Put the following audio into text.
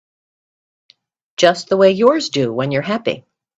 Just the way yours do when you're happy.